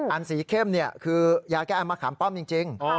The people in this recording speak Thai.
อันสีเข้มคือยาแก้อันมะขามป้อมจริง